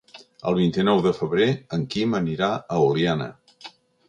El vint-i-nou de febrer en Quim anirà a Oliana.